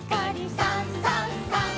「さんさんさん」